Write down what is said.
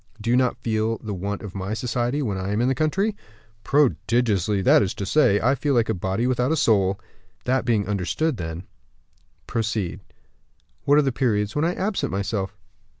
Do you not feel the want of my society when I am in the country?" "Prodigiously; that is to say, I feel like a body without a soul." "That being understood then, proceed." "What are the periods when I absent myself?"